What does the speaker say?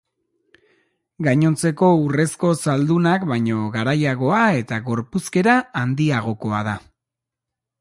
Gainontzeko urrezko zaldunak baino garaiagoa eta gorpuzkera handiagokoa da.